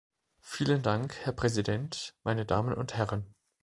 Vielen Dank, Herr Präsident, meine Damen und Herren.